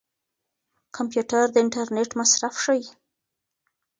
کمپيوټر د انټرنيټ مصرف ښيي.